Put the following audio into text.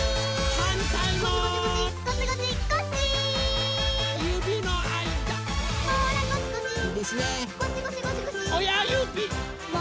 はんたいも！